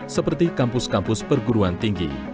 seperti kampus kampus perguruan tinggi